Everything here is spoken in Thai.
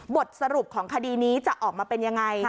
บทสรุปของคดีนี้จะออกมาเป็นยังไง